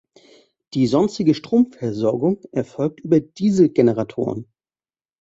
Die sonstige Stromversorgung erfolgt über Diesel-Generatoren.